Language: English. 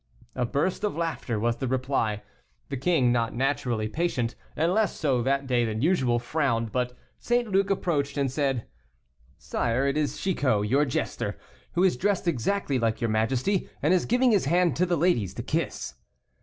A burst of laughter was the reply. The king, not naturally patient, and less so that day than usual, frowned; but St. Luc approached, and said: "Sire, it is Chicot, your jester, who is dressed exactly like your majesty, and is giving his hand to the ladies to kiss."